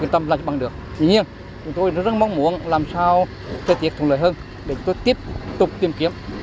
tuy nhiên chúng tôi rất mong muốn làm sao thời tiết thuận lợi hơn để tiếp tục tìm kiếm